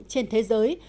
trên thế giới